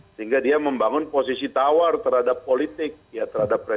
sehingga dia membangun posisi tawar terhadap politik ya terhadap presiden terhadap kaum pekerja